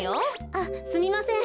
あっすみません。